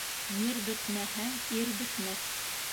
Мир бөтмәһә, ир бөтмәҫ.